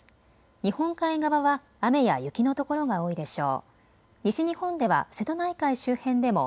日本海側は雨や雪の所が多いでしょう。